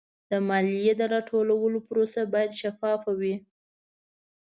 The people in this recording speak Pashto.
د مالیې د راټولولو پروسه باید شفافه وي.